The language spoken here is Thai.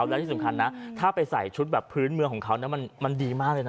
แล้วที่สำคัญนะถ้าไปใส่ชุดแบบพื้นเมืองของเขามันดีมากเลยนะ